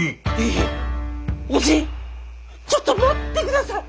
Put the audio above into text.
いやおじぃちょっと待ってください。